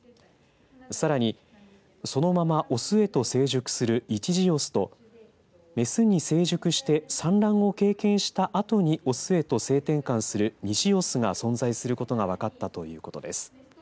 さらにそのままをオスへと成熟する一次雄とメスに成熟して産卵を経験したあとにオスへと性転換する二次雄が存在することが分かったということです。